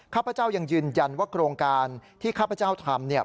ข้าพเจ้ายังยืนยันว่าโครงการที่ข้าพเจ้าทำเนี่ย